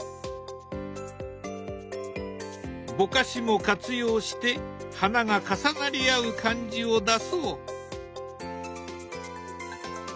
ぼかしも活用して花が重なり合う感じを出そう。